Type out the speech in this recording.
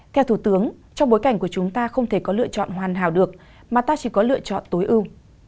theo thủ tướng trong bối cảnh của chúng ta không thể có lựa chọn hoàn hảo được mà ta chỉ có lựa chọn tối ưu